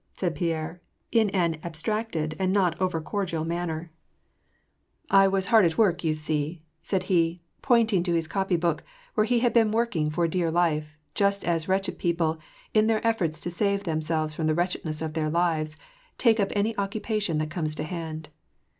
" said Pierre, in an abstracted and not over cordial manner. VOL. 2. — 16. 226 WAR AND PEACE. '^ I was hard at work, you see/' said he, pointing to his copy book, where he had been working for dear life, just as wretched people, in their efforts to save themselves from the wretchedness of their lives, take up any occupation that comes to hand.